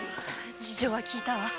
事情は聞いたわ。